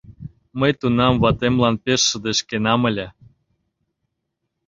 Мый тунам ватемлан пеш шыдешкенам ыле.